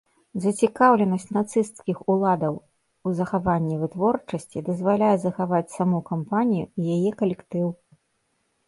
Зацікаўленасць нацысцкіх уладаў у захаванні вытворчасці дазваляе захаваць саму кампанію і яе калектыў.